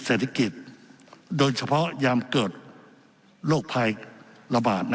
เศรษฐกิจโดยเฉพาะยามเกิดโรคภัยระบาด